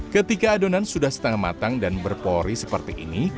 ketika adonan sudah setengah matang dan berpori seperti ini